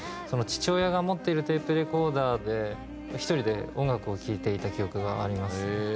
父親が持っているテープレコーダーで１人で音楽を聴いていた記憶がありますね。